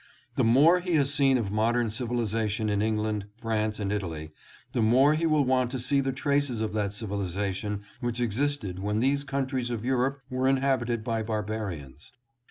The more he has seen of modern civilization in England, France and Italy, the more he will want to see the traces of that civilization which existed when these ON THE MEDITERRANEAN. 703 countries of Europe were inhabited by barbarians.